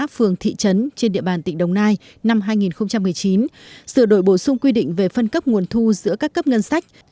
phường thị trấn trên địa bàn tỉnh đồng nai năm hai nghìn một mươi chín sửa đổi bổ sung quy định về phân cấp nguồn thu giữa các cấp ngân sách